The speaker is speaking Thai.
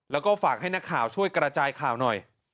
แล้วก็ฝากให้นักข่าวช่วยกระจายข่าวหน่อย